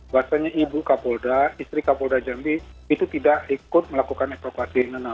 bahwasannya ibu kapolda istri kapolda jambi itu tidak ikut melakukan evakuasi